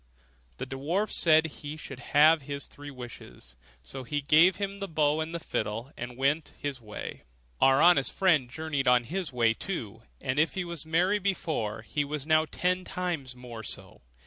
The dwarf said he should have his three wishes; so he gave him the bow and fiddle, and went his way. Our honest friend journeyed on his way too; and if he was merry before, he was now ten times more so.